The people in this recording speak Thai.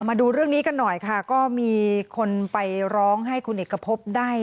มาดูเรื่องนี้กันหน่อยค่ะก็มีคนไปร้องให้คุณเอกพบได้